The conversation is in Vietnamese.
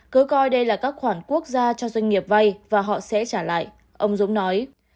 cứ coi đây là các khoản quốc gia cho doanh nghiệp vay và họ sẽ trả lại ông dũng nói